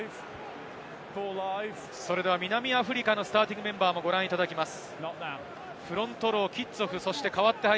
南アフリカのスターティングメンバーもご覧いただきます。